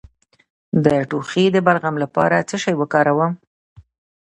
د ټوخي د بلغم لپاره باید څه شی وکاروم؟